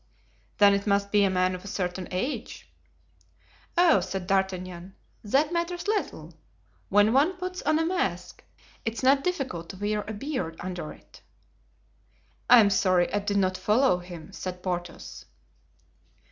"Then it must be a man of a certain age." "Oh!" said D'Artagnan, "that matters little. When one puts on a mask, it is not difficult to wear a beard under it." "I am sorry I did not follow him," said Porthos.